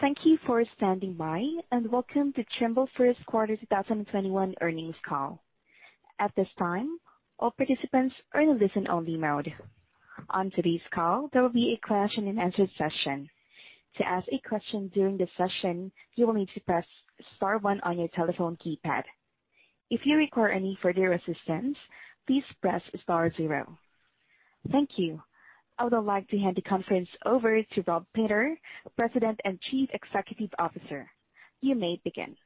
Thank you for standing by, and welcome to Trimble first quarter 2021 earnings call. At this time, all participants are in listen only mode. On today's call, there will be a question and answer session. I would like to hand the conference over to Rob Painter, President and Chief Executive Officer. You may begin.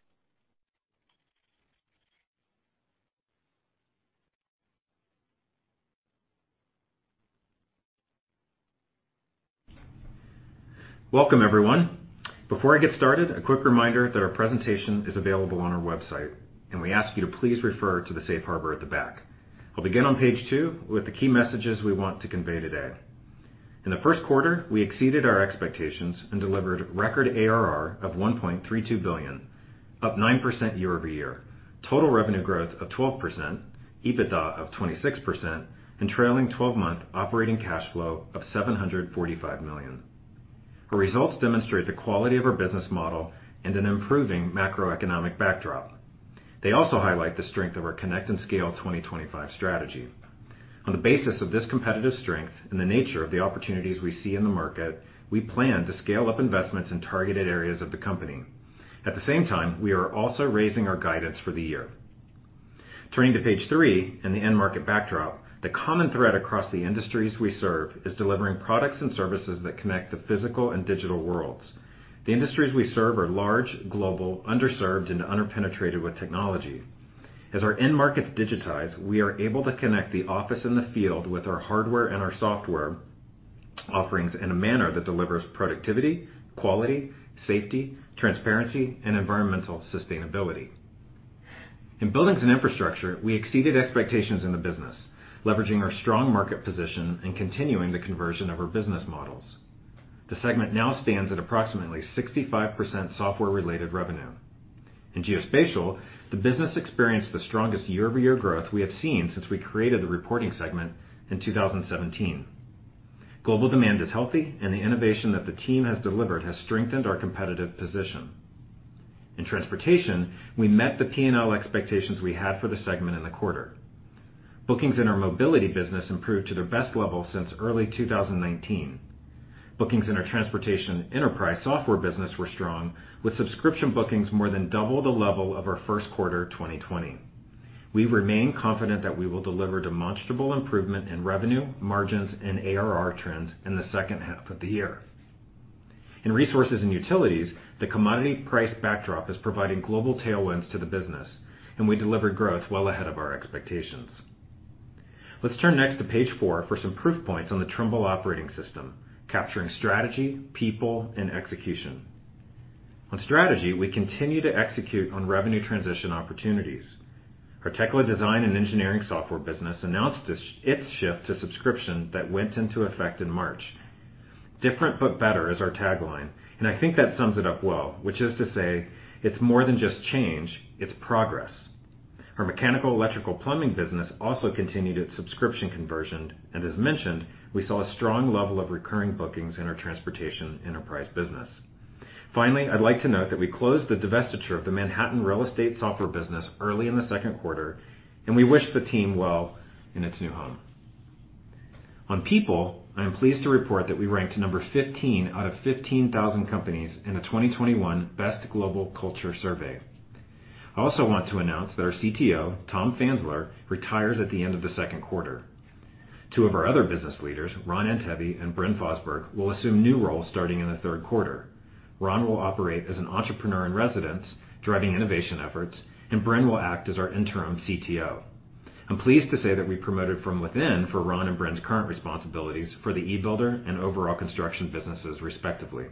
Welcome, everyone. Before I get started, a quick reminder that our presentation is available on our website, and we ask you to please refer to the safe harbor at the back. I'll begin on page two with the key messages we want to convey today. In the first quarter, we exceeded our expectations and delivered record ARR of $1.32 billion, up 9% year-over-year, total revenue growth of 12%, EBITDA of 26%, and trailing 12-month operating cash flow of $745 million. Our results demonstrate the quality of our business model and an improving macroeconomic backdrop. They also highlight the strength of our Connect and Scale 2025 strategy. On the basis of this competitive strength and the nature of the opportunities we see in the market, we plan to scale up investments in targeted areas of the company. At the same time, we are also raising our guidance for the year. Turning to page three in the end market backdrop, the common thread across the industries we serve is delivering products and services that connect the physical and digital worlds. The industries we serve are large, global, underserved, and under-penetrated with technology. As our end markets digitize, we are able to connect the office and the field with our hardware and our software offerings in a manner that delivers productivity, quality, safety, transparency, and environmental sustainability. In Buildings and Infrastructure, we exceeded expectations in the business, leveraging our strong market position and continuing the conversion of our business models. The segment now stands at approximately 65% software-related revenue. In Geospatial, the business experienced the strongest year-over-year growth we have seen since we created the reporting segment in 2017. Global demand is healthy. The innovation that the team has delivered has strengthened our competitive position. In Transportation, we met the P&L expectations we had for the segment in the quarter. Bookings in our mobility business improved to their best level since early 2019. Bookings in our Transportation Enterprise Software business were strong, with subscription bookings more than double the level of our first quarter 2020. We remain confident that we will deliver demonstrable improvement in revenue, margins, and ARR trends in the second half of the year. In Resources and Utilities, the commodity price backdrop is providing global tailwinds to the business, and we delivered growth well ahead of our expectations. Let's turn next to page four for some proof points on the Trimble operating system, capturing strategy, people, and execution. On strategy, we continue to execute on revenue transition opportunities. Our Tekla design and engineering software business announced its shift to subscription that went into effect in March. Different but better is our tagline, and I think that sums it up well, which is to say, it's more than just change, it's progress. Our mechanical electrical plumbing business also continued its subscription conversion, and as mentioned, we saw a strong level of recurring bookings in our transportation enterprise business. Finally, I'd like to note that we closed the divestiture of the Manhattan real estate software business early in the second quarter, and we wish the team well in its new home. On people, I am pleased to report that we ranked number 15 out of 15,000 companies in the 2021 Best Global Culture Survey. I also want to announce that our CTO, Tom Fansler, retires at the end of the second quarter. Two of our other business leaders, Ron Antevy and Bryn Fosburgh, will assume new roles starting in the third quarter. Ron will operate as an entrepreneur in residence, driving innovation efforts, and Bryn will act as our interim CTO. I'm pleased to say that we promoted from within for Ron and Bryn's current responsibilities for the e-Builder and overall construction businesses, respectively.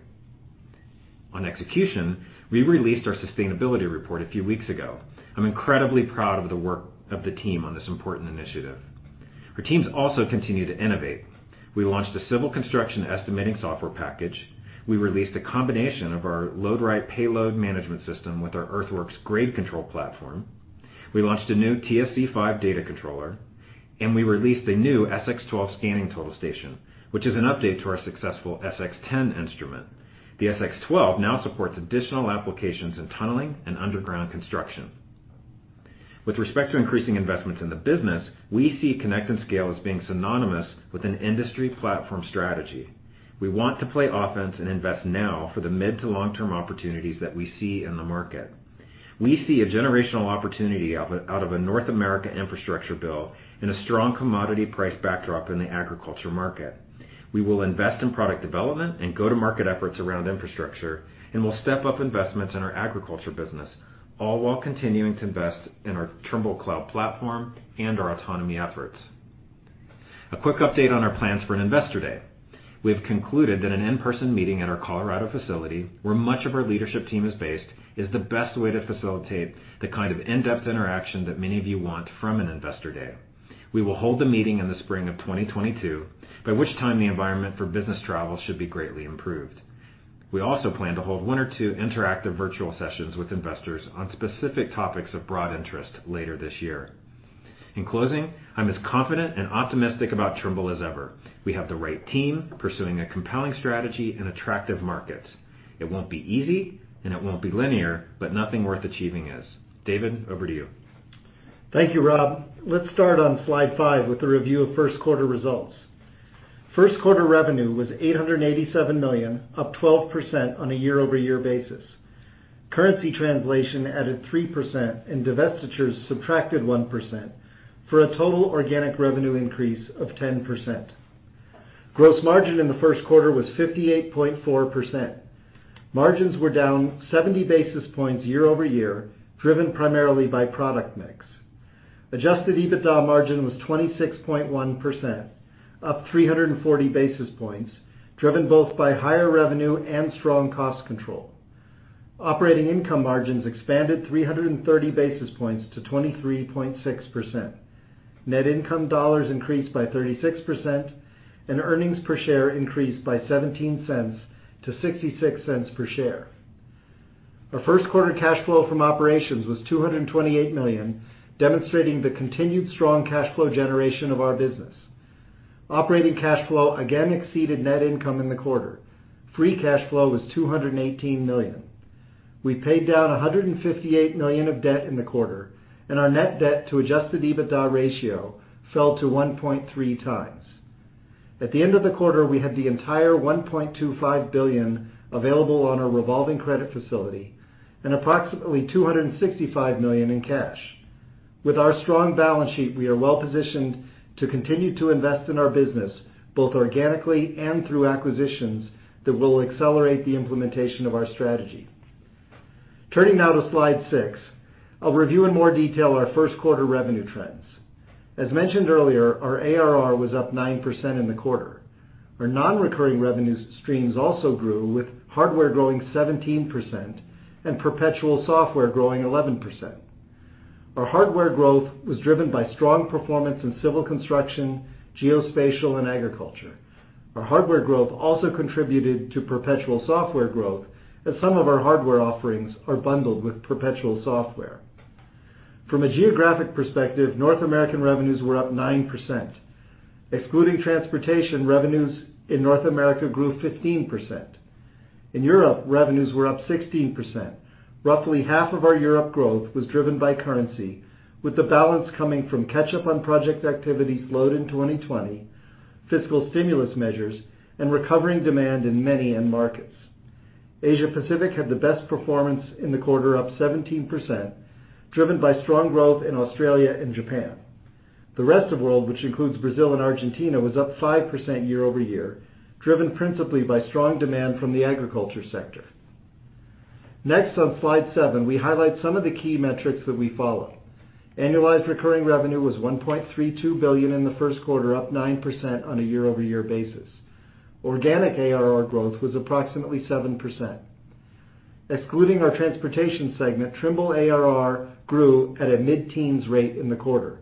On execution, we released our sustainability report a few weeks ago. I'm incredibly proud of the work of the team on this important initiative. Our teams also continue to innovate. We launched a civil construction estimating software package. We released a combination of our LOADRITE Payload Management system with our Earthworks Grade Control Platform. We launched a new TSC5 data controller, and we released a new SX12 Scanning Total Station, which is an update to our successful SX10 instrument. The SX12 now supports additional applications in tunneling and underground construction. With respect to increasing investments in the business, we see Connect and Scale as being synonymous with an industry platform strategy. We want to play offense and invest now for the mid to long-term opportunities that we see in the market. We see a generational opportunity out of a North America infrastructure bill and a strong commodity price backdrop in the Agriculture market. We will invest in product development and go-to-market efforts around infrastructure, and we'll step up investments in our Agriculture business, all while continuing to invest in our Trimble cloud platform and our autonomy efforts. A quick update on our plans for an Investor Day. We have concluded that an in-person meeting at our Colorado facility, where much of our leadership team is based, is the best way to facilitate the kind of in-depth interaction that many of you want from an Investor Day. We will hold the meeting in the spring of 2022, by which time the environment for business travel should be greatly improved. We also plan to hold one or two interactive virtual sessions with investors on specific topics of broad interest later this year. In closing, I'm as confident and optimistic about Trimble as ever. We have the right team pursuing a compelling strategy in attractive markets. It won't be easy, and it won't be linear, but nothing worth achieving is. David, over to you. Thank you, Rob. Let's start on slide five with a review of first quarter results. First quarter revenue was $887 million, up 12% on a year-over-year basis. Currency translation added 3%, and divestitures subtracted 1%, for a total organic revenue increase of 10%. Gross margin in the first quarter was 58.4%. Margins were down 70 basis points year-over-year, driven primarily by product mix. Adjusted EBITDA margin was 26.1%, up 340 basis points, driven both by higher revenue and strong cost control. Operating income margins expanded 330 basis points to 23.6%. Net income dollars increased by 36%, and earnings per share increased by $0.17 to $0.66 per share. Our first quarter cash flow from operations was $228 million, demonstrating the continued strong cash flow generation of our business. Operating cash flow again exceeded net income in the quarter. Free cash flow was $218 million. We paid down $158 million of debt in the quarter. Our net debt to adjusted EBITDA ratio fell to 1.3x. At the end of the quarter, we had the entire $1.25 billion available on our revolving credit facility and approximately $265 million in cash. With our strong balance sheet, we are well-positioned to continue to invest in our business, both organically and through acquisitions that will accelerate the implementation of our strategy. Turning now to slide six. I'll review in more detail our first quarter revenue trends. As mentioned earlier, our ARR was up 9% in the quarter. Our non-recurring revenue streams also grew, with hardware growing 17% and perpetual software growing 11%. Our hardware growth was driven by strong performance in Civil Construction, Geospatial, and Agriculture. Our hardware growth also contributed to perpetual software growth, as some of our hardware offerings are bundled with perpetual software. From a geographic perspective, North American revenues were up 9%. Excluding Transportation, revenues in North America grew 15%. In Europe, revenues were up 16%. Roughly half of our Europe growth was driven by currency, with the balance coming from catch-up on project activity slowed in 2020, fiscal stimulus measures, and recovering demand in many end markets. Asia Pacific had the best performance in the quarter, up 17%, driven by strong growth in Australia and Japan. The rest of world, which includes Brazil and Argentina, was up 5% year-over-year, driven principally by strong demand from the Agriculture sector. Next, on slide seven, we highlight some of the key metrics that we follow. Annualized recurring revenue was $1.32 billion in the first quarter, up 9% on a year-over-year basis. Organic ARR growth was approximately 7%. Excluding our Transportation segment, Trimble ARR grew at a mid-teens rate in the quarter.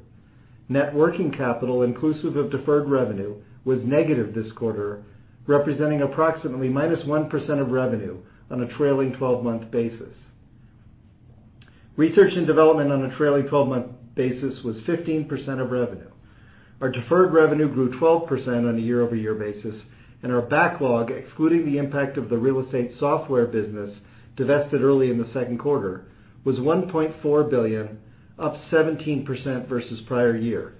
Net working capital, inclusive of deferred revenue, was negative this quarter, representing approximately -1% of revenue on a trailing 12-month basis. Research and development on a trailing 12-month basis was 15% of revenue. Our deferred revenue grew 12% on a year-over-year basis, and our backlog, excluding the impact of the real estate software business divested early in the second quarter, was $1.4 billion, up 17% versus prior year.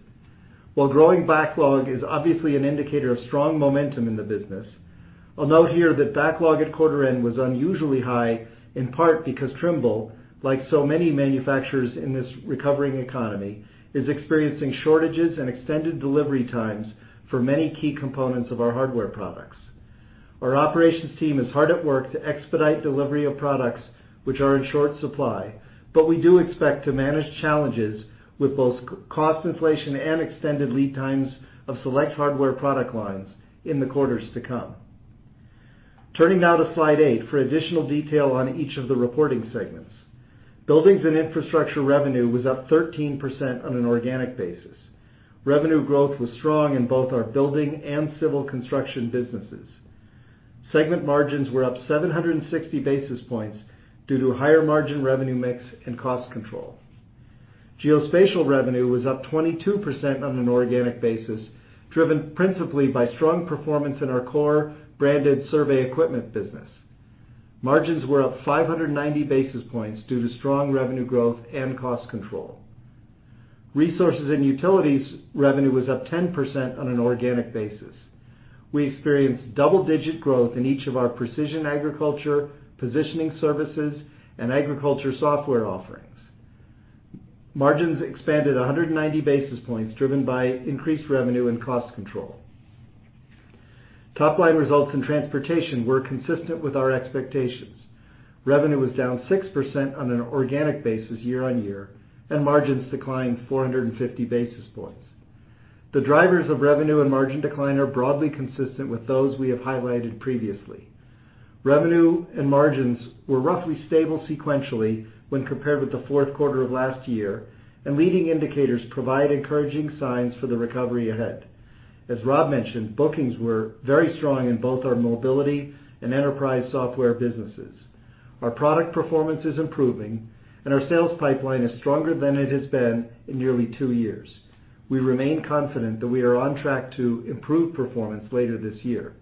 While growing backlog is obviously an indicator of strong momentum in the business, I'll note here that backlog at quarter end was unusually high, in part because Trimble, like so many manufacturers in this recovering economy, is experiencing shortages and extended delivery times for many key components of our hardware products. Our operations team is hard at work to expedite delivery of products which are in short supply, but we do expect to manage challenges with both cost inflation and extended lead times of select hardware product lines in the quarters to come. Turning now to slide eight for additional detail on each of the reporting segments. Buildings and Infrastructure revenue was up 13% on an organic basis. Revenue growth was strong in both our Building and Civil Construction businesses. Segment margins were up 760 basis points due to higher margin revenue mix and cost control. Geospatial revenue was up 22% on an organic basis, driven principally by strong performance in our core branded survey equipment business. Margins were up 590 basis points due to strong revenue growth and cost control. Resources and Utilities revenue was up 10% on an organic basis. We experienced double-digit growth in each of our precision agriculture, positioning services, and agriculture software offerings. Margins expanded 190 basis points, driven by increased revenue and cost control. Top-line results in Transportation were consistent with our expectations. Revenue was down 6% on an organic basis year-on-year, and margins declined 450 basis points. The drivers of revenue and margin decline are broadly consistent with those we have highlighted previously. Revenue and margins were roughly stable sequentially when compared with the fourth quarter of last year, and leading indicators provide encouraging signs for the recovery ahead. As Rob mentioned, bookings were very strong in both our mobility and enterprise software businesses. Our product performance is improving and our sales pipeline is stronger than it has been in nearly two years. We remain confident that we are on track to improve performance later this year.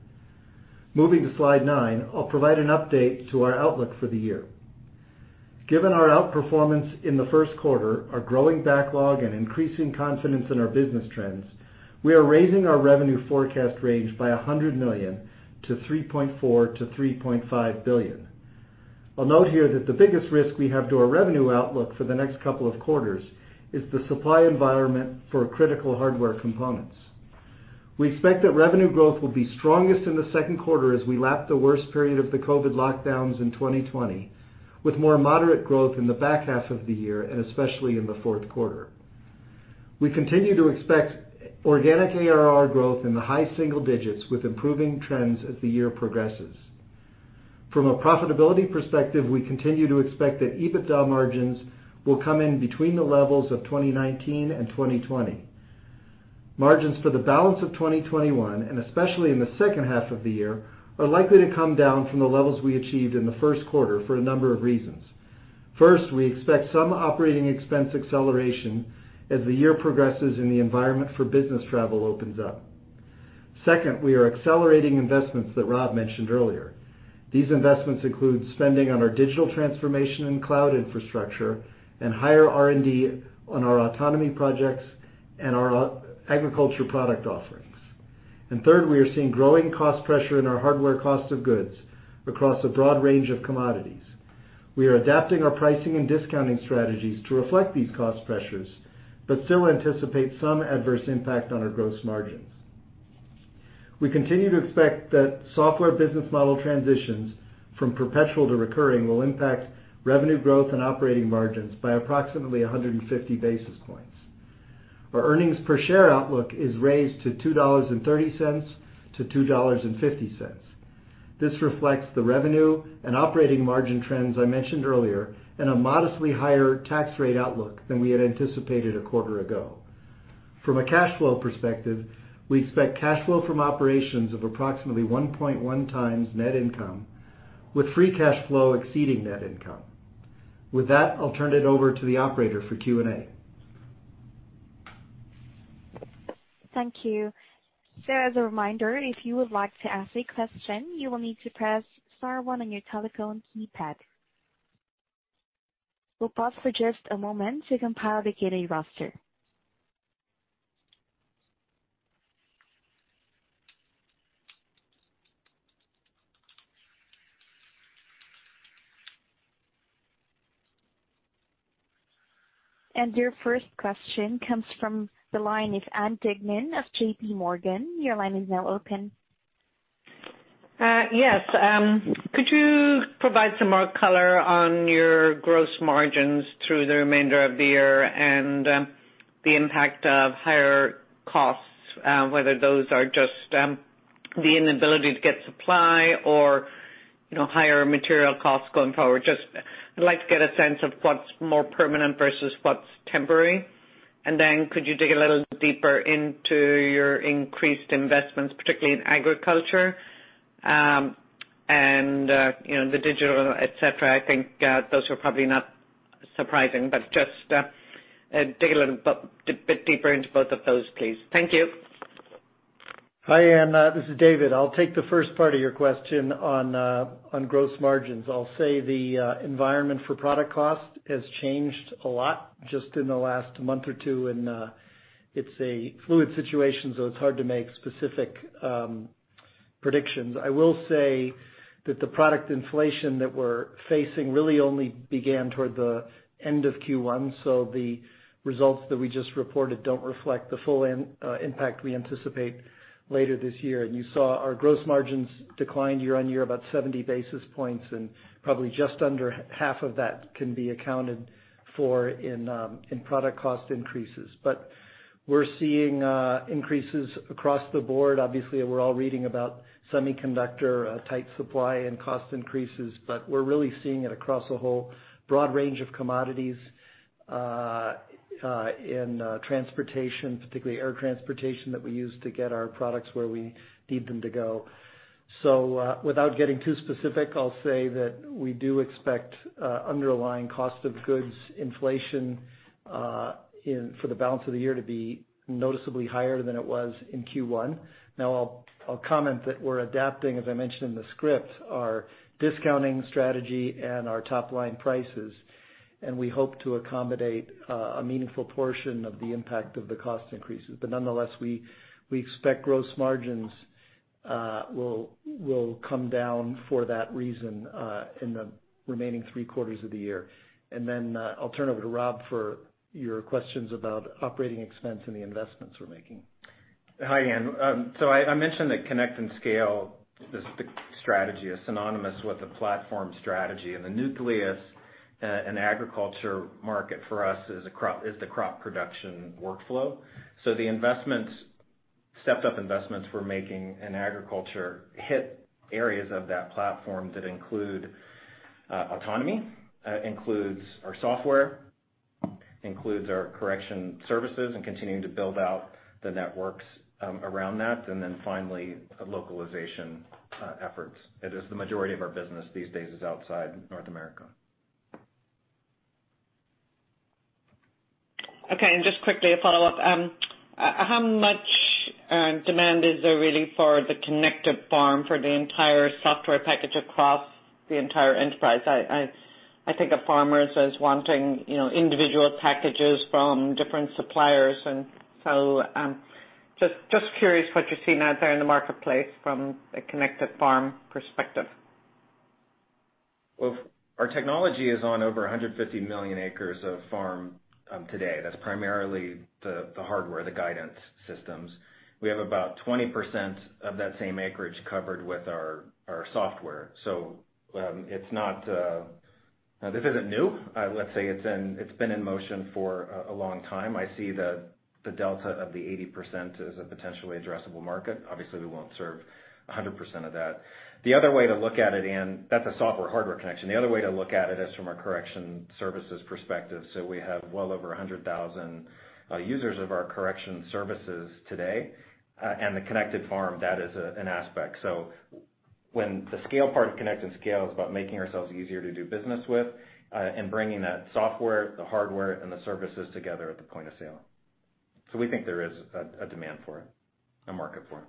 Moving to slide nine, I'll provide an update to our outlook for the year. Given our outperformance in the first quarter, our growing backlog and increasing confidence in our business trends, we are raising our revenue forecast range by $100 million to $3.4 billion to $3.5 billion. I'll note here that the biggest risk we have to our revenue outlook for the next couple of quarters is the supply environment for critical hardware components. We expect that revenue growth will be strongest in the second quarter as we lap the worst period of the COVID lockdowns in 2020, with more moderate growth in the back half of the year and especially in the fourth quarter. We continue to expect organic ARR growth in the high single digits with improving trends as the year progresses. From a profitability perspective, we continue to expect that EBITDA margins will come in between the levels of 2019 and 2020. Margins for the balance of 2021, and especially in the second half of the year, are likely to come down from the levels we achieved in the first quarter for a number of reasons. First, we expect some operating expense acceleration as the year progresses and the environment for business travel opens up. Second, we are accelerating investments that Rob mentioned earlier. These investments include spending on our digital transformation and cloud infrastructure and higher R&D on our autonomy projects and our agriculture product offerings. Third, we are seeing growing cost pressure in our hardware cost of goods across a broad range of commodities. We are adapting our pricing and discounting strategies to reflect these cost pressures, but still anticipate some adverse impact on our gross margins. We continue to expect that software business model transitions from perpetual to recurring will impact revenue growth and operating margins by approximately 150 basis points. Our earnings per share outlook is raised to $2.30 to $2.50. This reflects the revenue and operating margin trends I mentioned earlier and a modestly higher tax rate outlook than we had anticipated a quarter ago. From a cash flow perspective, we expect cash flow from operations of approximately 1.1x net income, with free cash flow exceeding net income. With that, I'll turn it over to the operator for Q&A. Thank you. As a reminder, if you would like to ask a question, you will need to press star one on your telephone keypad. We'll pause for just a moment to compile the Q&A roster. Your first question comes from the line of Ann Duignan of JPMorgan. Your line is now open. Yes. Could you provide some more color on your gross margins through the remainder of the year and the impact of higher costs, whether those are just the inability to get supply or higher material costs going forward? Just I'd like to get a sense of what's more permanent versus what's temporary. Could you dig a little deeper into your increased investments, particularly in agriculture, and the digital, et cetera? I think those are probably not surprising, but just dig a little bit deeper into both of those, please. Thank you. Hi, Ann. This is David. I'll take the first part of your question on gross margins. I'll say the environment for product cost has changed a lot just in the last month or two. It's a fluid situation. It's hard to make specific predictions. I will say that the product inflation that we're facing really only began toward the end of Q1. The results that we just reported don't reflect the full impact we anticipate later this year. You saw our gross margins declined year-over-year about 70 basis points. Probably just under half of that can be accounted for in product cost increases. We're seeing increases across the board. Obviously, we're all reading about semiconductor tight supply and cost increases, but we're really seeing it across a whole broad range of commodities in transportation, particularly air transportation that we use to get our products where we need them to go. Without getting too specific, I'll say that we do expect underlying cost of goods inflation for the balance of the year to be noticeably higher than it was in Q1. I'll comment that we're adapting, as I mentioned in the script, our discounting strategy and our top-line prices, and we hope to accommodate a meaningful portion of the impact of the cost increases. Nonetheless, we expect gross margins will come down for that reason in the remaining three quarters of the year. Then I'll turn over to Rob for your questions about operating expense and the investments we're making. Hi, Ann. I mentioned that Connect and Scale the strategy is synonymous with the platform strategy and the nucleus in agriculture market for us is the crop production workflow. The stepped-up investments we're making in agriculture hit areas of that platform that include autonomy, includes our software, includes our correction services and continuing to build out the networks around that. Finally, the localization efforts. It is the majority of our business these days is outside North America. Okay. Just quickly a follow-up. How much demand is there really for the Connected Farm for the entire software package across the entire enterprise? I think of farmers as wanting individual packages from different suppliers. Just curious what you're seeing out there in the marketplace from a Connected Farm perspective. Well, our technology is on over 150 million acres of farm today. That's primarily the hardware, the guidance systems. We have about 20% of that same acreage covered with our software. This isn't new. Let's say it's been in motion for a long time. I see the delta of the 80% as a potentially addressable market. Obviously, we won't serve 100% of that. That's a software-hardware connection. The other way to look at it is from a correction services perspective. We have well over 100,000 users of our correction services today. The Connected Farm, that is an aspect. When the scale part of Connect and Scale is about making ourselves easier to do business with, and bringing that software, the hardware, and the services together at the point of sale. We think there is a demand for it, a market for it.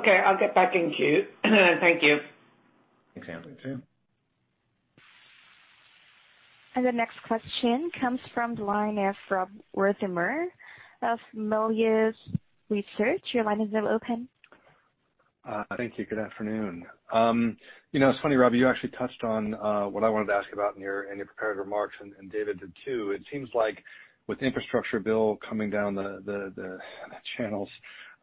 Okay. I'll get back in queue. Thank you. Thanks, Ann. Thanks, Ann. The next question comes from the line from Rob Wertheimer of Melius Research. Your line is now open. Thank you. Good afternoon. It's funny, Rob, you actually touched on what I wanted to ask about in your prepared remarks, and David did too. It seems like with the infrastructure bill coming down the channels,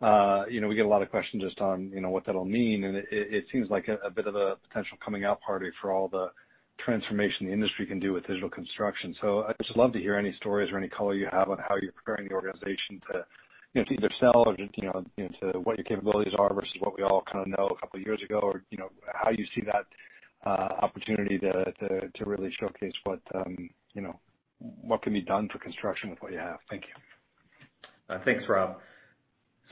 we get a lot of questions just on what that'll mean, and it seems like a bit of a potential coming out party for all the transformation the industry can do with digital construction. I'd just love to hear any stories or any color you have on how you're preparing the organization to either sell or what your capabilities are versus what we all know a couple of years ago, or how you see that opportunity to really showcase what can be done for construction with what you have. Thank you. Thanks, Rob.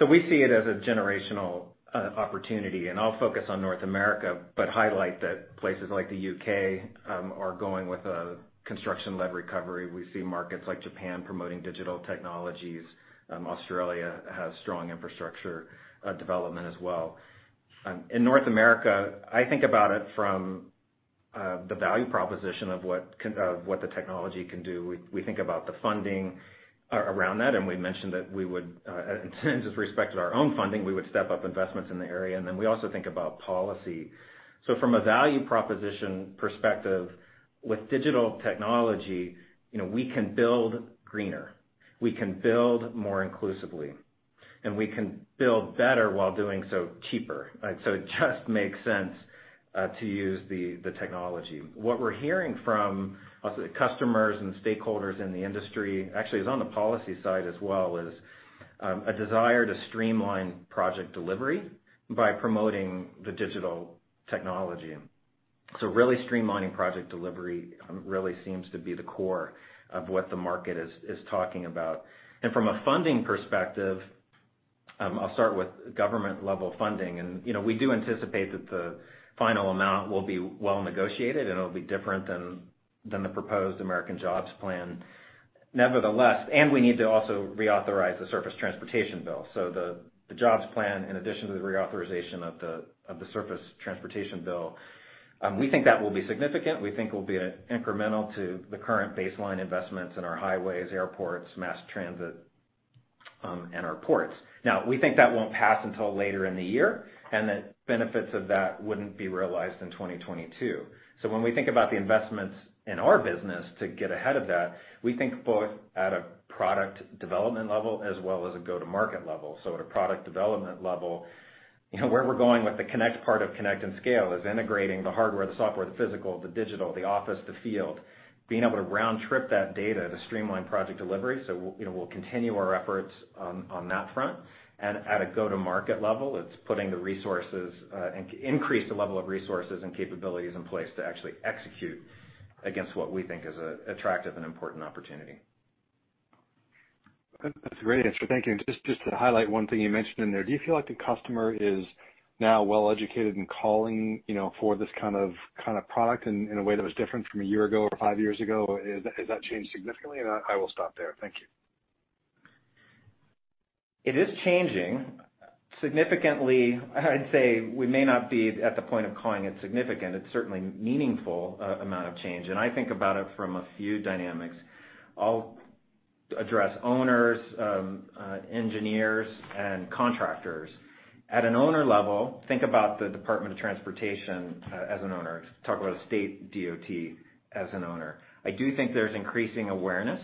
We see it as a generational opportunity, and I'll focus on North America, but highlight that places like the U.K. are going with a construction-led recovery. We see markets like Japan promoting digital technologies. Australia has strong infrastructure development as well. In North America, I think about it from the value proposition of what the technology can do. We think about the funding around that, and we mentioned that we would, in terms of respect of our own funding, we would step up investments in the area. Then we also think about policy. From a value proposition perspective with digital technology, we can build greener, we can build more inclusively, and we can build better while doing so cheaper. It just makes sense to use the technology. What we're hearing from customers and stakeholders in the industry, actually is on the policy side as well as a desire to streamline project delivery by promoting the digital technology. Really streamlining project delivery really seems to be the core of what the market is talking about. From a funding perspective, I'll start with government level funding. We do anticipate that the final amount will be well negotiated, and it'll be different than the proposed American Jobs Plan. Nevertheless, we need to also reauthorize the Surface Transportation bill. The Jobs Plan, in addition to the reauthorization of the Surface Transportation bill, we think that will be significant. We think it will be incremental to the current baseline investments in our highways, airports, mass transit, and our ports. We think that won't pass until later in the year, and that benefits of that wouldn't be realized in 2022. When we think about the investments in our business to get ahead of that, we think both at a product development level as well as a go-to-market level. At a product development level, where we're going with the Connect part of Connect and Scale is integrating the hardware, the software, the physical, the digital, the office, the field, being able to round-trip that data to streamline project delivery. We'll continue our efforts on that front. At a go-to-market level, it's putting the resources and increase the level of resources and capabilities in place to actually execute against what we think is an attractive and important opportunity. That's a great answer. Thank you. Just to highlight one thing you mentioned in there, do you feel like the customer is now well-educated and calling for this kind of product in a way that was different from a year ago or five years ago? Has that changed significantly? I will stop there. Thank you. It is changing. Significantly, I'd say we may not be at the point of calling it significant. It's certainly a meaningful amount of change, and I think about it from a few dynamics. I'll address owners, engineers, and contractors. At an owner level, think about the Department of Transportation as an owner, talk about a state DOT as an owner. I do think there's increasing awareness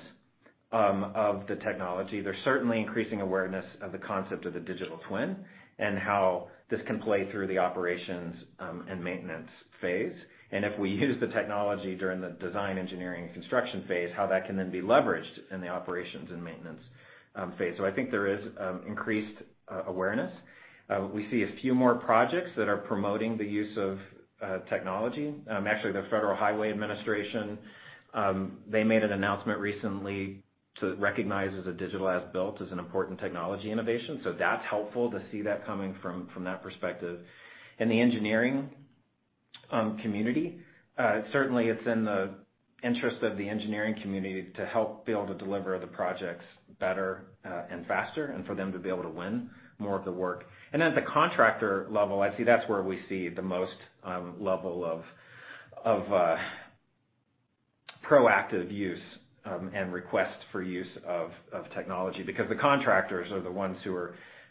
of the technology. There's certainly increasing awareness of the concept of the digital twin and how this can play through the operations and maintenance phase. If we use the technology during the design, engineering, and construction phase, how that can then be leveraged in the operations and maintenance phase. I think there is increased awareness. We see a few more projects that are promoting the use of technology. Actually, the Federal Highway Administration, they made an announcement recently to recognize as a digital as-built is an important technology innovation. That's helpful to see that coming from that perspective. In the engineering community, certainly it's in the interest of the engineering community to help be able to deliver the projects better and faster, and for them to be able to win more of the work. At the contractor level, that's where we see the most level of proactive use and request for use of technology, because the contractors are the ones.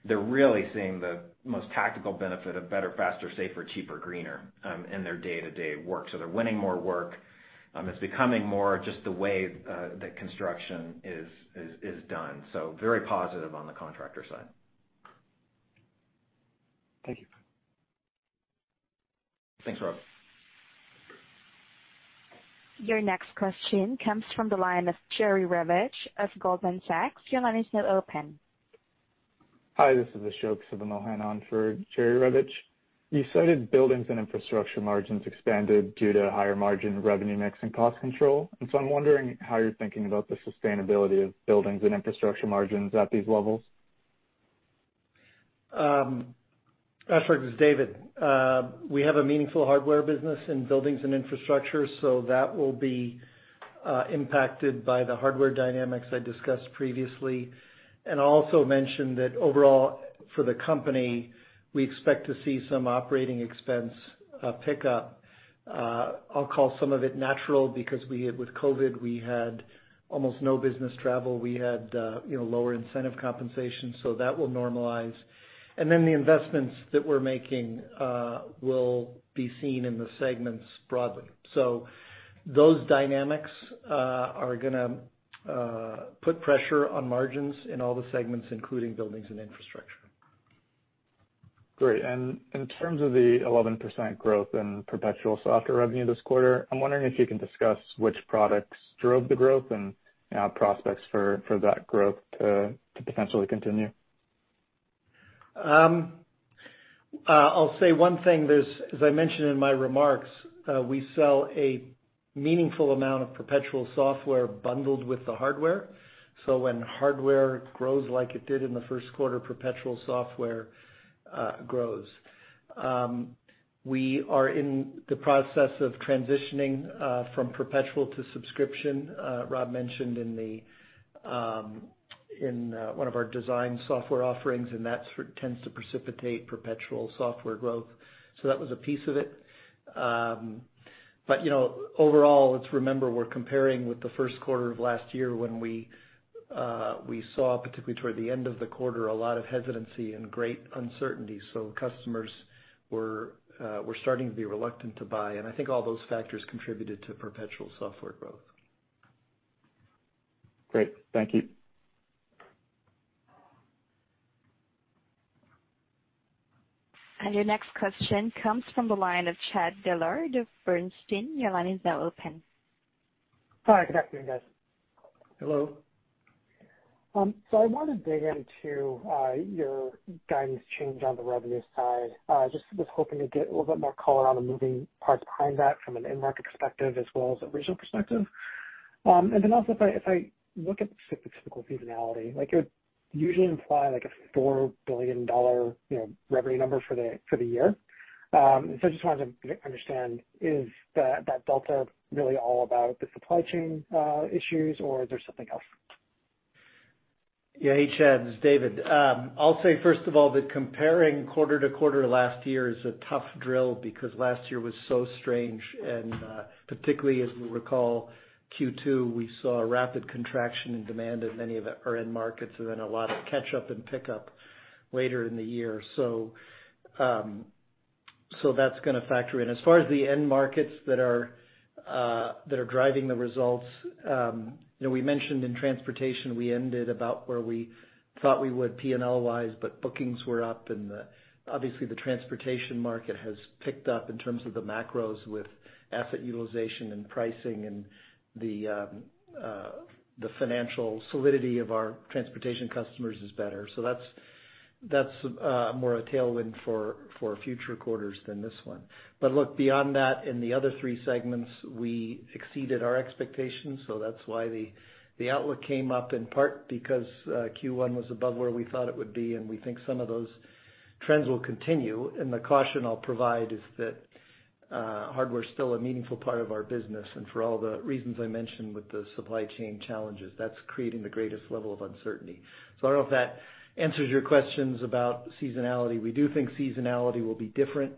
They're really seeing the most tactical benefit of better, faster, safer, cheaper, greener in their day-to-day work. They're winning more work. It's becoming more just the way that construction is done. Very positive on the contractor side. Thank you. Thanks, Rob. Your next question comes from the line of Jerry Revich of Goldman Sachs. Your line is now open. Hi, this is Ashok Sivamohan on for Jerry Revich. You cited Buildings and Infrastructure margins expanded due to higher margin revenue mix and cost control. And so I'm wondering how you're thinking about the sustainability of Buildings and Infrastructure margins at these levels? Yeah, hey, Ashok. This is David. I'll say, first of all, that comparing quarter to quarter last year is a tough drill because last year was so strange. Particularly as we recall Q2, we saw a rapid contraction in demand in many of our end markets and then a lot of catch-up and pickup later in the year. That's going to factor in. As far as the end markets that are driving the results, we mentioned in Transportation, we ended about where we thought we would P&L-wise, but bookings were up and obviously the Transportation market has picked up in terms of the macros with asset utilization and pricing, and the financial solidity of our transportation customers is better. That's more a tailwind for future quarters than this one. Look, beyond that, in the other three segments, we exceeded our expectations, so that's why the outlook came up in part because Q1 was above where we thought it would be, and we think some of those trends will continue. The caution I'll provide is that hardware's still a meaningful part of our business, and for all the reasons I mentioned with the supply chain challenges, that's creating the greatest level of uncertainty. I don't know if that answers your questions about seasonality. We do think seasonality will be different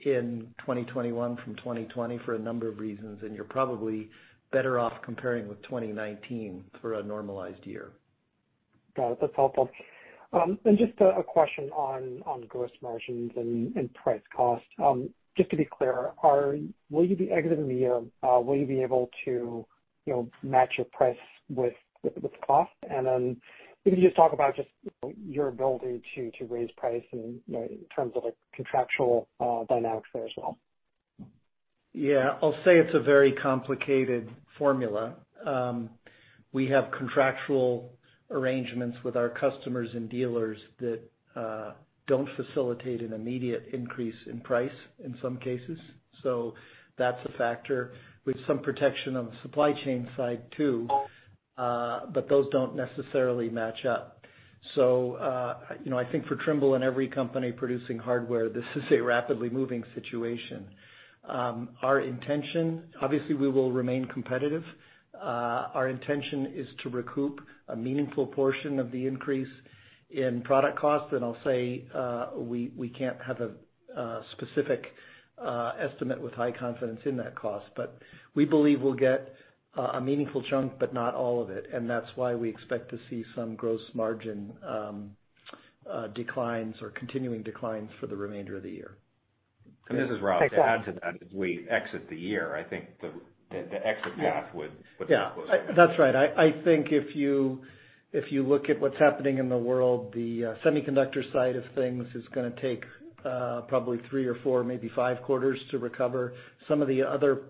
in 2021 from 2020 for a number of reasons, and you're probably better off comparing with 2019 for a normalized year. Got it. That's helpful. Just a question on gross margins and price cost. Just to be clear, will you be exiting the year? Will you be able to match your price with cost? If you could just talk about just your ability to raise price in terms of the contractual dynamics there as well. Yeah. I'll say it's a very complicated formula. We have contractual arrangements with our customers and dealers that don't facilitate an immediate increase in price in some cases. That's a factor with some protection on the supply chain side, too. Those don't necessarily match up. I think for Trimble and every company producing hardware, this is a rapidly moving situation. Our intention, obviously, we will remain competitive. Our intention is to recoup a meaningful portion of the increase in product cost. I'll say, we can't have a specific estimate with high confidence in that cost. We believe we'll get a meaningful chunk, but not all of it, and that's why we expect to see some gross margin declines or continuing declines for the remainder of the year. This is Rob. To add to that, as we exit the year, I think the exit path would be closer. Yeah. That's right. I think if you look at what's happening in the world, the semiconductor side of things is going to take probably three or four, maybe five quarters to recover. Some of the other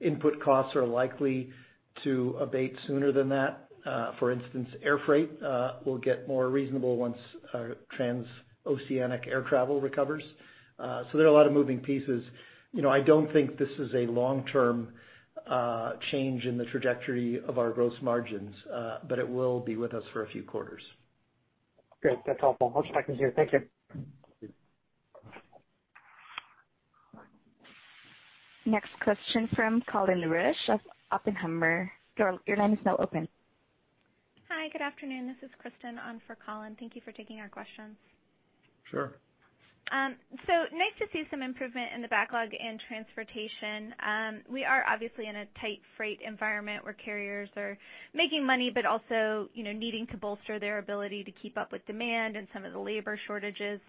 input costs are likely to abate sooner than that. For instance, air freight will get more reasonable once transoceanic air travel recovers. There are a lot of moving pieces. I don't think this is a long-term change in the trajectory of our gross margins. It will be with us for a few quarters. Great. That's helpful. Much appreciated. Thank you. Thank you. Next question from Colin Rusch of Oppenheimer. Your line is now open. Hi, good afternoon. This is Kristen on for Colin. Thank you for taking our questions. Sure. Nice to see some improvement in the backlog in transportation. We are obviously in a tight freight environment where carriers are making money, but also, needing to bolster their ability to keep up with demand and some of the labor shortages.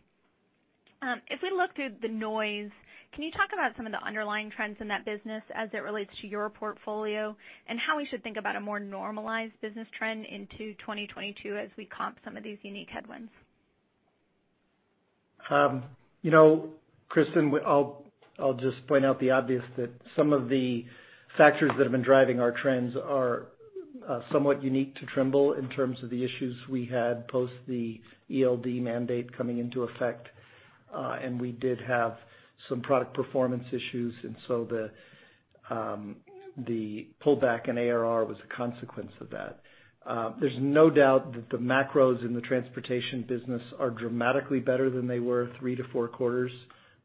If we look through the noise, can you talk about some of the underlying trends in that business as it relates to your portfolio and how we should think about a more normalized business trend into 2022 as we comp some of these unique headwinds? Kristen, I'll just point out the obvious that some of the factors that have been driving our trends are somewhat unique to Trimble in terms of the issues we had post the ELD mandate coming into effect. We did have some product performance issues, so the pullback in ARR was a consequence of that. There's no doubt that the macros in the transportation business are dramatically better than they were three to four quarters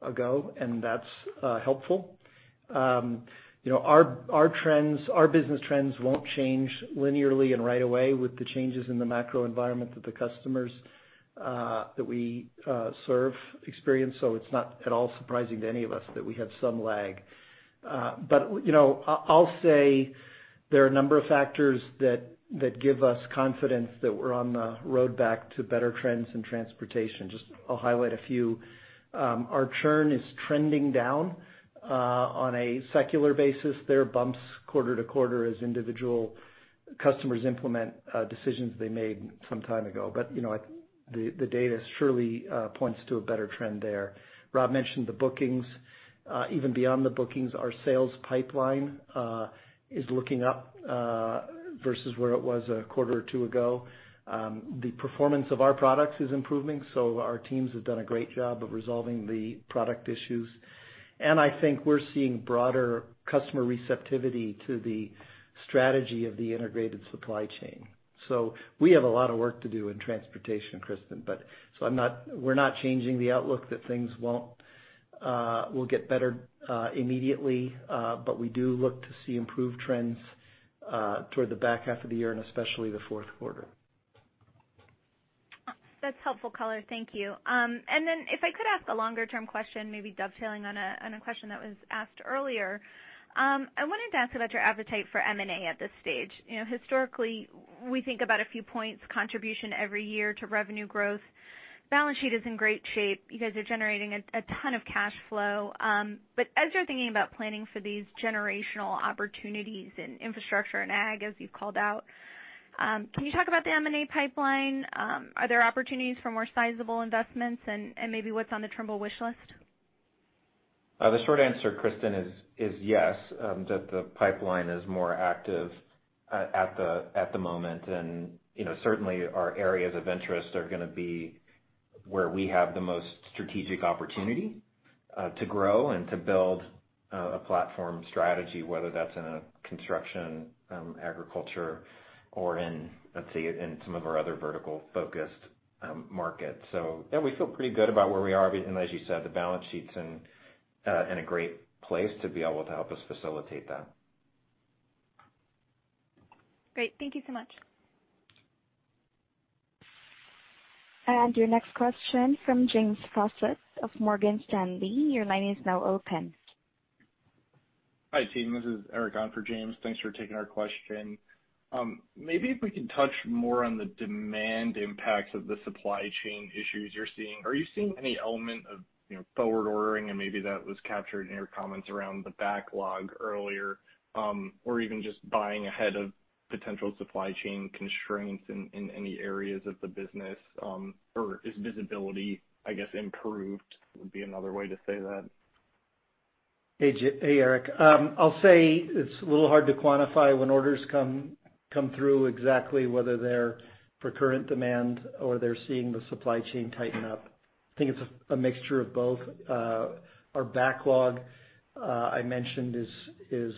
ago, and that's helpful. Our business trends won't change linearly and right away with the changes in the macro environment that the customers that we serve experience. It's not at all surprising to any of us that we have some lag. I'll say there are a number of factors that give us confidence that we're on the road back to better trends in transportation. Just, I'll highlight a few. Our churn is trending down, on a secular basis. There are bumps quarter to quarter as individual customers implement decisions they made some time ago. The data surely points to a better trend there. Rob mentioned the bookings. Even beyond the bookings, our sales pipeline is looking up, versus where it was a quarter or two ago. The performance of our products is improving, our teams have done a great job of resolving the product issues. I think we're seeing broader customer receptivity to the strategy of the integrated supply chain. We have a lot of work to do in Transportation, Kristen. We're not changing the outlook that things will get better immediately. We do look to see improved trends toward the back half of the year and especially the fourth quarter. That's helpful color. Thank you. Then if I could ask a longer-term question, maybe dovetailing on a question that was asked earlier. I wanted to ask about your appetite for M&A at this stage. Historically, we think about a few points contribution every year to revenue growth. Balance sheet is in great shape. You guys are generating a ton of cash flow. As you're thinking about planning for these generational opportunities in infrastructure and ag, as you've called out, can you talk about the M&A pipeline? Are there opportunities for more sizable investments and maybe what's on the Trimble wish list? The short answer, Kristen, is yes, that the pipeline is more active at the moment. Certainly, our areas of interest are going to be where we have the most strategic opportunity to grow and to build a platform strategy, whether that's in a construction, agriculture or in, let's say, in some of our other vertical-focused markets. Yeah, we feel pretty good about where we are. As you said, the balance sheet's in a great place to be able to help us facilitate that. Great. Thank you so much. Your next question from James Faucette of Morgan Stanley. Your line is now open. Hi, team. This is Erik on for James. Thanks for taking our question. Maybe if we can touch more on the demand impacts of the supply chain issues you're seeing. Are you seeing any element of forward ordering and maybe that was captured in your comments around the backlog earlier, or even just buying ahead of potential supply chain constraints in any areas of the business? Or is visibility, I guess improved, would be another way to say that? Hey, Erik. I'll say it's a little hard to quantify when orders come through exactly whether they're for current demand or they're seeing the supply chain tighten up. I think it's a mixture of both. Our backlog, I mentioned, is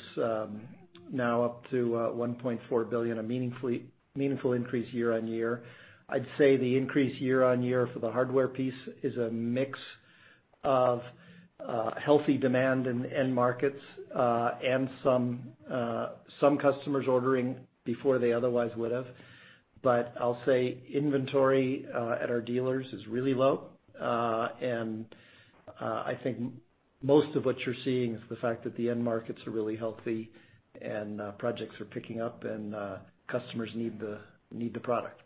now up to $1.4 billion, a meaningful increase year-on-year. I'd say the increase year-on-year for the hardware piece is a mix of healthy demand in end markets, and some customers ordering before they otherwise would have. I'll say inventory at our dealers is really low. I think most of what you're seeing is the fact that the end markets are really healthy and projects are picking up and customers need the product.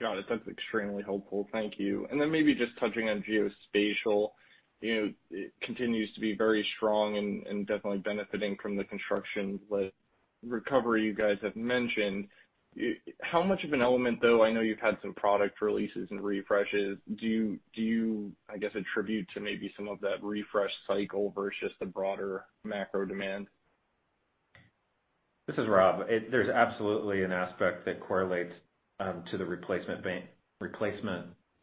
Got it. That's extremely helpful. Thank you. Then maybe just touching on geospatial. It continues to be very strong and definitely benefiting from the construction recovery you guys have mentioned. How much of an element, though, I know you've had some product releases and refreshes, do you, I guess, attribute to maybe some of that refresh cycle versus the broader macro demand? This is Rob. There's absolutely an aspect that correlates to the replacement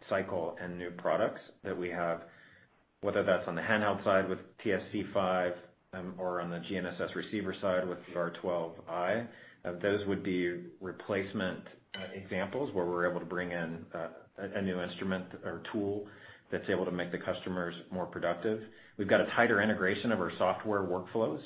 cycle and new products that we have, whether that's on the handheld side with TSC5, or on the GNSS receiver side with the R12i. Those would be replacement examples where we're able to bring in a new instrument or tool that's able to make the customers more productive. We've got a tighter integration of our software workflows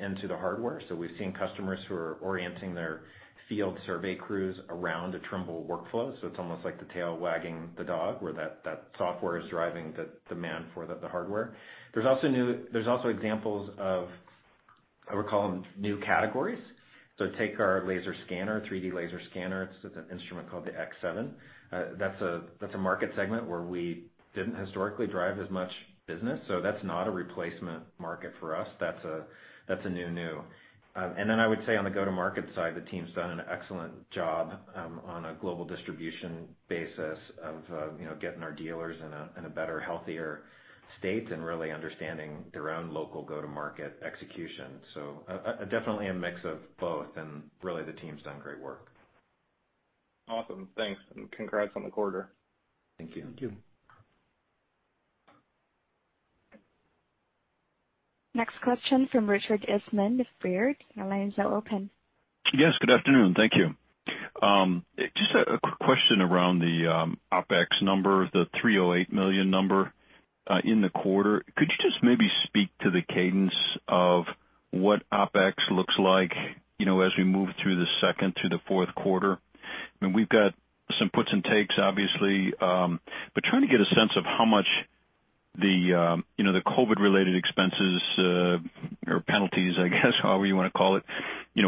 into the hardware. We've seen customers who are orienting their field survey crews around a Trimble workflow. It's almost like the tail wagging the dog, where that software is driving the demand for the hardware. There's also examples of, I would call them new categories. Take our laser scanner, 3D laser scanner. It's an instrument called the X7. That's a market segment where we didn't historically drive as much business. That's not a replacement market for us. That's a new. I would say on the go-to-market side, the team's done an excellent job on a global distribution basis of getting our dealers in a better, healthier state and really understanding their own local go-to-market execution. Definitely a mix of both and really the team's done great work. Awesome. Thanks, and congrats on the quarter. Thank you. Thank you. Next question from Richard Eastman with Baird. Your line is now open. Yes, good afternoon. Thank you. Just a quick question around the OpEx number, the $308 million number in the quarter. Could you just maybe speak to the cadence of what OpEx looks like as we move through the second to the fourth quarter? I mean, we've got some puts and takes, obviously. Trying to get a sense of how much the COVID related expenses, or penalties, I guess, however you want to call it,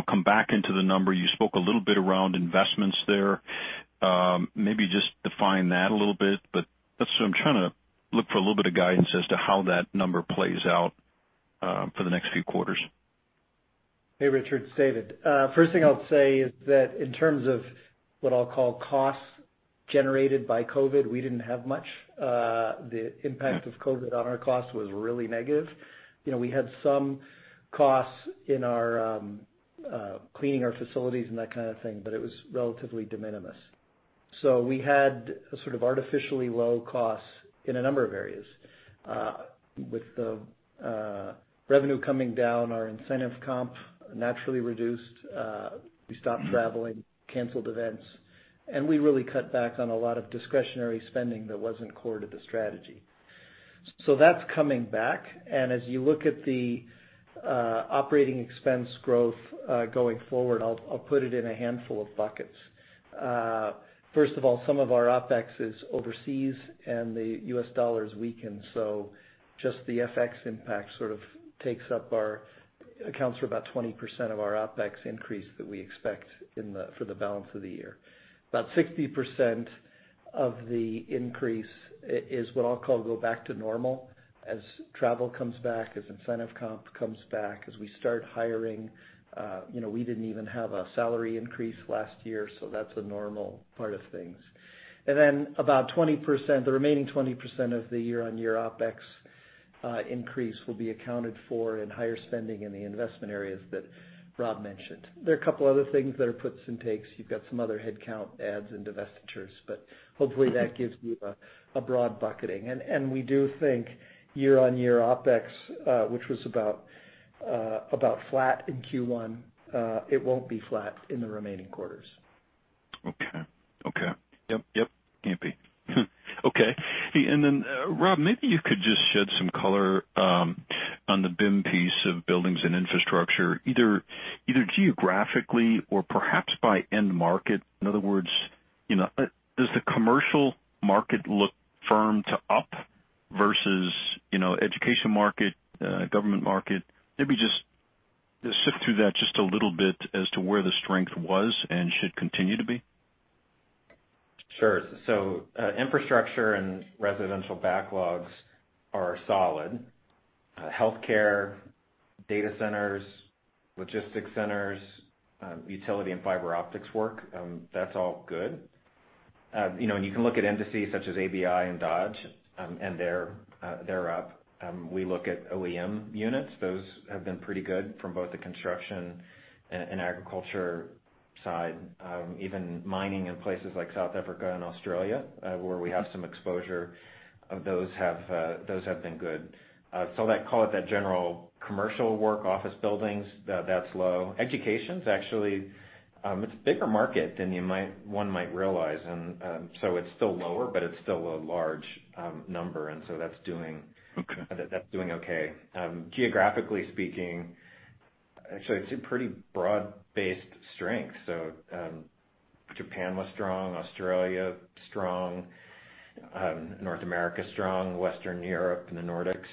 come back into the number. You spoke a little bit around investments there. Maybe just define that a little bit. I'm trying to look for a little bit of guidance as to how that number plays out for the next few quarters. Hey, Richard, it's David. First thing I'll say is that in terms of what I'll call costs generated by COVID, we didn't have much. The impact of COVID on our costs was really negative. We had some costs in cleaning our facilities and that kind of thing. It was relatively de minimis. We had a sort of artificially low cost in a number of areas. With the revenue coming down, our incentive comp naturally reduced. We stopped traveling, canceled events, and we really cut back on a lot of discretionary spending that wasn't core to the strategy. That's coming back, and as you look at the operating expense growth, going forward, I'll put it in a handful of buckets. First of all, some of our OpEx is overseas, and the U.S. dollar has weakened. Just the FX impact accounts for about 20% of our OpEx increase that we expect for the balance of the year. About 60% of the increase is what I will call go back to normal. As travel comes back, as incentive comp comes back, as we start hiring. We did not even have a salary increase last year. That is a normal part of things. The remaining 20% of the year-on-year OpEx increase will be accounted for in higher spending in the investment areas that Rob mentioned. There are a couple other things that are puts and takes. You have some other headcount adds and divestitures. Hopefully that gives you a broad bucketing. We do think year-over-year OpEx, which was about flat in Q1, it won't be flat in the remaining quarters. Okay. Yep. Can't be. Okay. Rob, maybe you could just shed some color on the BIM piece of Buildings and Infrastructure, either geographically or perhaps by end market. In other words, does the commercial market look firm to up versus education market, government market? Maybe just sift through that just a little bit as to where the strength was and should continue to be. Sure. Infrastructure and residential backlogs are solid. Healthcare, data centers, logistics centers, utility and fiber optics work, that's all good. You can look at indices such as ABI and Dodge, and they're up. We look at OEM units. Those have been pretty good from both the construction and agriculture side. Even mining in places like South Africa and Australia, where we have some exposure, those have been good. Call it that general commercial work, office buildings, that's low. Education's actually a bigger market than one might realize. It's still lower, but it's still a large number, and so that's doing okay. Okay. Geographically speaking, actually, I'd say pretty broad-based strength. Japan was strong, Australia, strong. North America, strong. Western Europe and the Nordics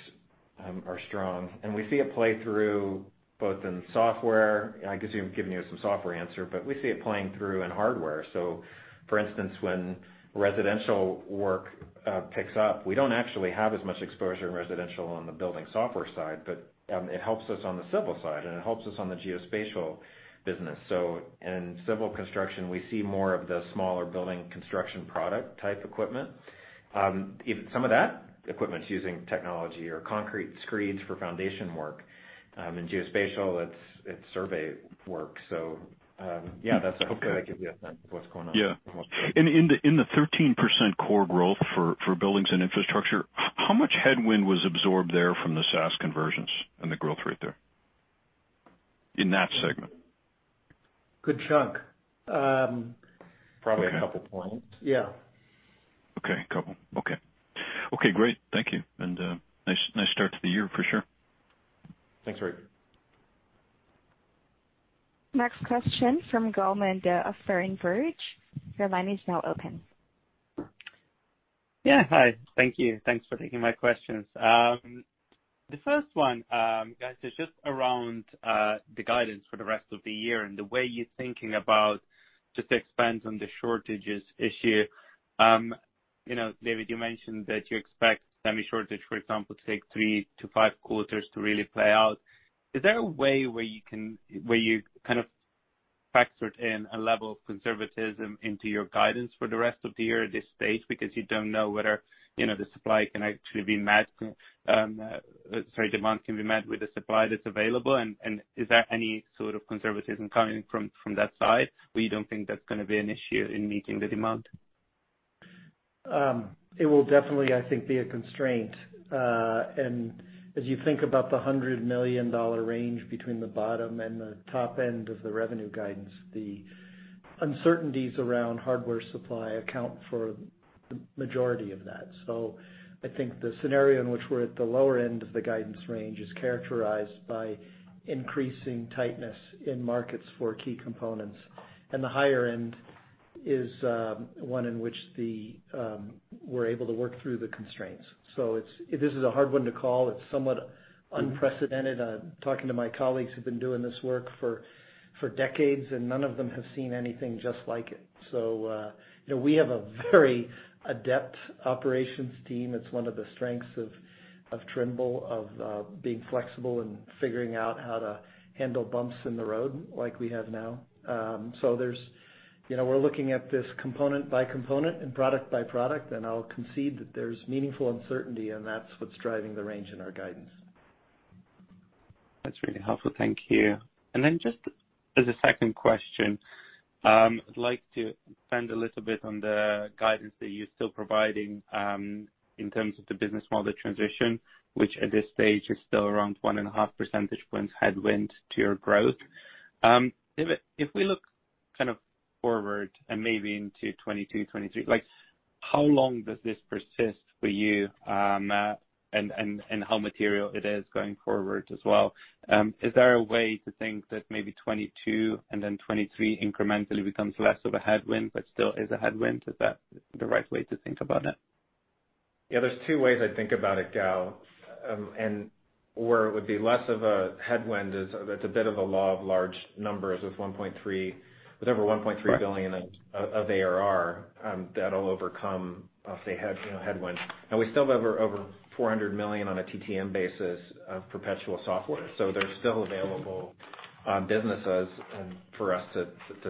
are strong. We see it play through both in software, I could give you some software answer, but we see it playing through in hardware. For instance, when residential work picks up, we don't actually have as much exposure in residential on the building software side, but it helps us on the Civil side, and it helps us on the Geospatial business. In Civil Construction, we see more of the smaller building construction product type equipment. Even some of that equipment's using technology or concrete screeds for foundation work. In Geospatial, it's survey work. Yeah, that's how I'd give you a sense of what's going on. Yeah. In the 13% core growth for Buildings and Infrastructure, how much headwind was absorbed there from the SaaS conversions and the growth rate there, in that segment? Good chunk. Probably a couple points. Yeah. Okay, a couple. Okay. Okay, great. Thank you. Nice start to the year for sure. Thanks, Rick. Next question from Gal Munda of Berenberg. Yeah. Hi. Thank you. Thanks for taking my questions. The first one, guys, is just around the guidance for the rest of the year and the way you're thinking about just expands on the shortages issue. David, you mentioned that you expect semi-shortage, for example, to take three to five quarters to really play out. Is there a way where you've kind of factored in a level of conservatism into your guidance for the rest of the year at this stage because you don't know whether the supply can actually be met, sorry, demand can be met with the supply that's available? Is there any sort of conservatism coming from that side where you don't think that's going to be an issue in meeting the demand? It will definitely, I think, be a constraint. As you think about the $100 million range between the bottom and the top end of the revenue guidance, the uncertainties around hardware supply account for the majority of that. I think the scenario in which we're at the lower end of the guidance range is characterized by increasing tightness in markets for key components. The higher end is one in which we're able to work through the constraints. This is a hard one to call. It's somewhat unprecedented. Talking to my colleagues who've been doing this work for decades, and none of them have seen anything just like it. We have a very adept operations team. It's one of the strengths of Trimble of being flexible and figuring out how to handle bumps in the road like we have now. We're looking at this component by component and product by product, and I'll concede that there's meaningful uncertainty, and that's what's driving the range in our guidance. That's really helpful. Thank you. Just as a second question, I'd like to expand a little bit on the guidance that you're still providing, in terms of the business model transition, which at this stage is still around 1.5 percentage points headwind to your growth. David, if we look forward and maybe into 2022, 2023, how long does this persist for you, and how material it is going forward as well? Is there a way to think that maybe 2022 and then 2023 incrementally becomes less of a headwind, but still is a headwind? Is that the right way to think about it? Yeah, there's two ways I'd think about it, Gal. Where it would be less of a headwind is, it's a bit of a law of large numbers with over $1.3 billion of ARR, that'll overcome, say, headwind. We still have over $400 million on a TTM basis of perpetual software. They're still available businesses for us to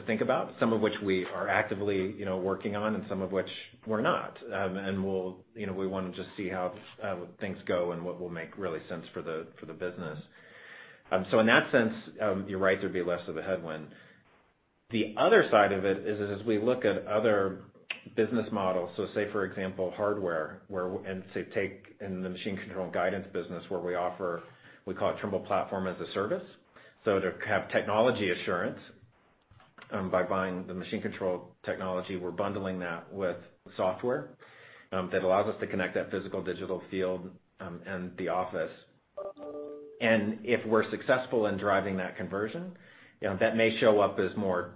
think about, some of which we are actively working on and some of which we're not. We want to just see how things go and what will make really sense for the business. In that sense, you're right, there'd be less of a headwind. The other side of it is, as we look at other business models, so say for example, hardware, and say take in the machine control and guidance business where we offer, we call it Trimble Platform as a Service. To have technology assurance by buying the machine control technology, we're bundling that with software that allows us to connect that physical-digital field and the office. If we're successful in driving that conversion, that may show up as more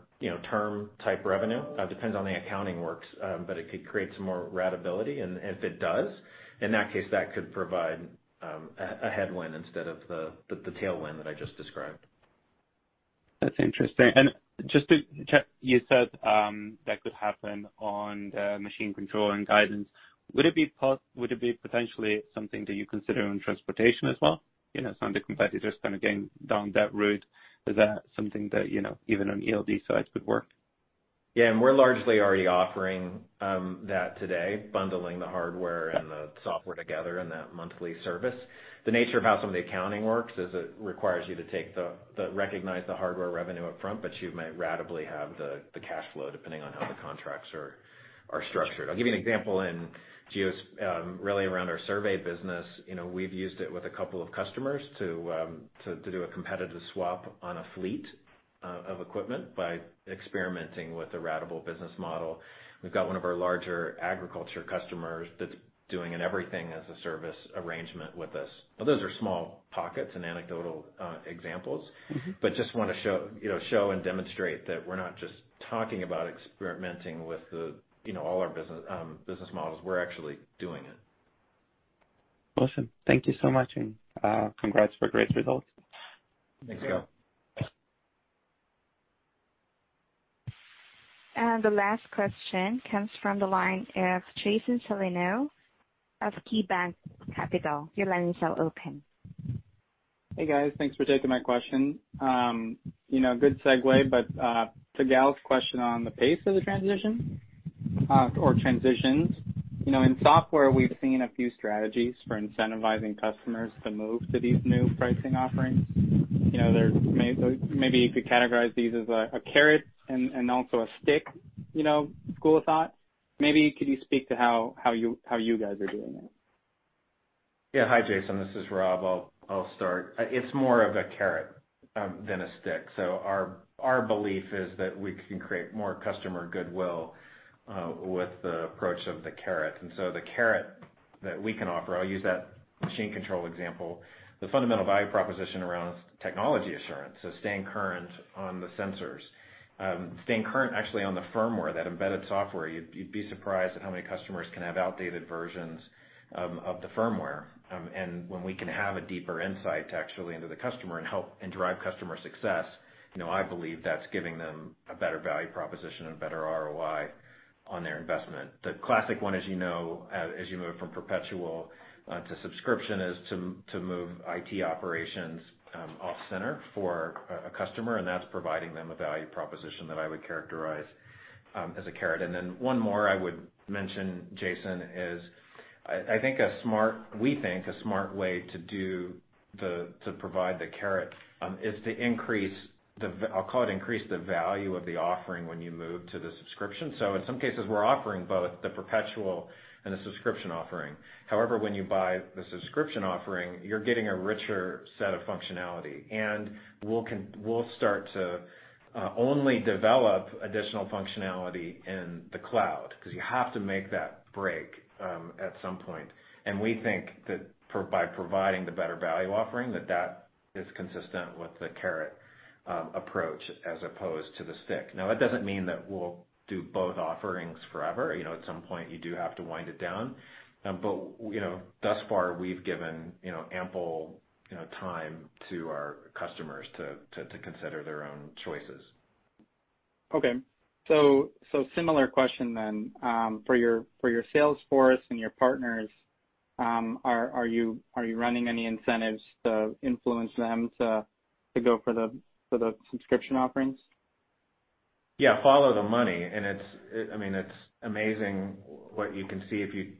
term type revenue. Depends on the accounting works, but it could create some more ratability. If it does, in that case, that could provide a headwind instead of the tailwind that I just described. That's interesting. Just to check, you said that could happen on the machine control and guidance. Would it be potentially something that you consider on Transportation as well? Some of the competitors kind of going down that route. Is that something that, even on ELD sides could work? We're largely already offering that today, bundling the hardware and the software together in that monthly service. The nature of how some of the accounting works is it requires you to recognize the hardware revenue up front, but you may ratably have the cash flow depending on how the contracts are structured. I'll give you an example really around our survey business. We've used it with a couple of customers to do a competitive swap on a fleet of equipment by experimenting with a ratable business model. We've got one of our larger agriculture customers that's doing an everything as a service arrangement with us. Now, those are small pockets and anecdotal examples. Just want to show and demonstrate that we're not just talking about experimenting with all our business models. We're actually doing it. Awesome. Thank you so much, and congrats for great results. Thanks, Gal. The last question comes from the line of Jason Celino of KeyBanc Capital. Your line is now open. Hey, guys. Thanks for taking my question. Good segue, but to Gal's question on the pace of the transition or transitions. In software, we've seen a few strategies for incentivizing customers to move to these new pricing offerings. Maybe you could categorize these as a carrot and also a stick school of thought. Maybe could you speak to how you guys are doing it? Yeah. Hi, Jason. This is Rob. I'll start. It's more of a carrot than a stick. Our belief is that we can create more customer goodwill with the approach of the carrot. The carrot that we can offer, I'll use that machine control example, the fundamental value proposition around technology assurance, so staying current on the sensors. Staying current actually on the firmware, that embedded software. You'd be surprised at how many customers can have outdated versions of the firmware. When we can have a deeper insight actually into the customer and help and drive customer success, I believe that's giving them a better value proposition and better ROI on their investment. The classic one, as you know, as you move from perpetual to subscription, is to move IT operations off center for a customer, and that's providing them a value proposition that I would characterize as a carrot. Then one more I would mention, Jason, is we think a smart way to provide the carrot is to increase the value of the offering when you move to the subscription. In some cases, we're offering both the perpetual and the subscription offering. However, when you buy the subscription offering, you're getting a richer set of functionality, and we'll start to only develop additional functionality in the cloud, because you have to make that break at some point. We think that by providing the better value offering, that is consistent with the carrot approach as opposed to the stick. Now, that doesn't mean that we'll do both offerings forever. At some point, you do have to wind it down. Thus far, we've given ample time to our customers to consider their own choices. Okay. Similar question then. For your sales force and your partners, are you running any incentives to influence them to go for the subscription offerings? Yeah, follow the money. It's amazing what you can see if you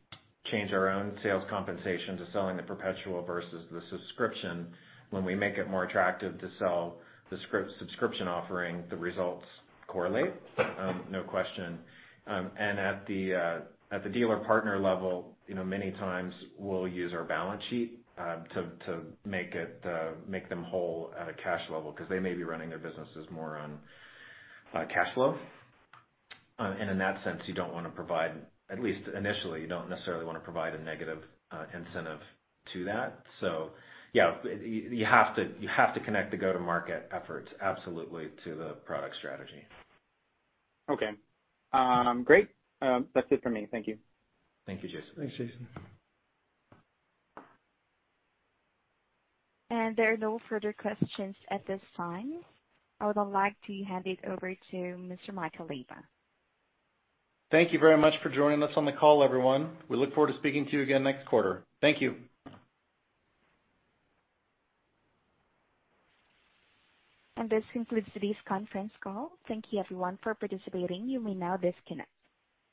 change our own sales compensation to selling the perpetual versus the subscription. When we make it more attractive to sell the subscription offering, the results correlate. No question. At the dealer partner level, many times we'll use our balance sheet to make them whole at a cash level, because they may be running their businesses more on cash flow. In that sense, you don't want to provide, at least initially, you don't necessarily want to provide a negative incentive to that. Yeah, you have to connect the go-to-market efforts absolutely to the product strategy. Okay. Great. That's it for me. Thank you. Thank you, Jason. Thanks, Jason. There are no further questions at this time. I would like to hand it over to Mr. Michael Leyba. Thank you very much for joining us on the call, everyone. We look forward to speaking to you again next quarter. Thank you. This concludes today's conference call. Thank you everyone for participating. You may now disconnect.